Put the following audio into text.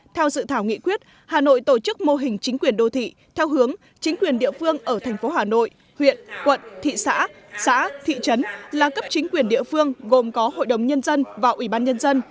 theo dự thảo nghị quyết hà nội tổ chức mô hình chính quyền đô thị theo hướng chính quyền địa phương ở thành phố hà nội huyện quận thị xã xã thị trấn là cấp chính quyền địa phương gồm có hội đồng nhân dân và ủy ban nhân dân